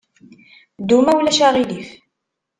Ddu, ma ulac aɣilif.